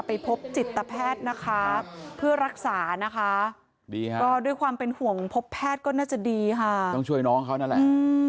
ไปพบจิตแพทย์นะคะเพื่อรักษานะคะดีค่ะก็ด้วยความเป็นห่วงพบแพทย์ก็น่าจะดีค่ะต้องช่วยน้องเขานั่นแหละ